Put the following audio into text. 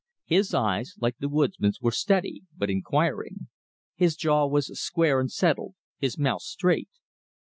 His eyes, like the woodsman's, were steady, but inquiring. His jaw was square and settled, his mouth straight.